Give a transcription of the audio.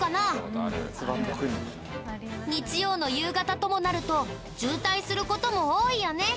日曜の夕方ともなると渋滞する事も多いよね。